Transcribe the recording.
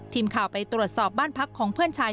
ทีมข่าวไปตรวจสอบบ้านพักของเพื่อนชาย